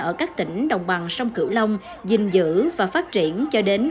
ở các tỉnh đồng bằng sông cửu long dình dữ và phát triển cho đến